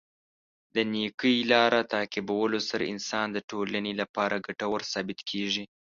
د نېکۍ لاره تعقیبولو سره انسان د ټولنې لپاره ګټور ثابت کیږي.